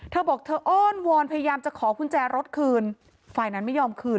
เธอบอกเธออ้อนวอนพยายามจะขอกุญแจรถคืนฝ่ายนั้นไม่ยอมคืน